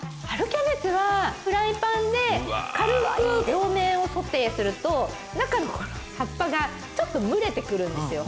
キャベツはフライパンで軽く両面をソテーすると中の葉っぱがちょっと蒸れて来るんですよ。